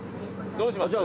どうします？